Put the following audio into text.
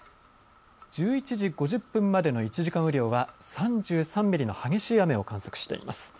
１１時５０分までの１時間雨量は３３ミリの激しい雨を観測しています。